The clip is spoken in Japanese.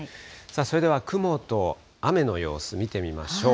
それでは雲と雨の様子、見てみましょう。